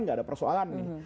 nggak ada persoalan nih